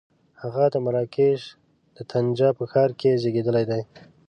هغه د مراکش د طنجه په ښار کې زېږېدلی دی.